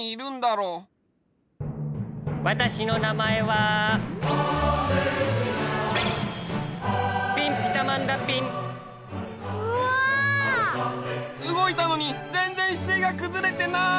うごいたのにぜんぜんしせいがくずれてない！